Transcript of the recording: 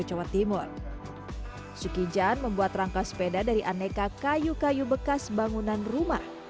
jawa timur suki jan membuat rangka sepeda dari aneka kayu kayu bekas bangunan rumah